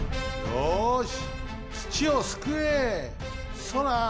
よし！